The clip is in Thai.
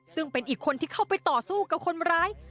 ซึ่งเป็นอีกคนที่เข้าไปต่อสู้กับคนร้าย